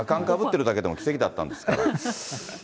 やかんかぶってるだけでも奇跡だったんですから。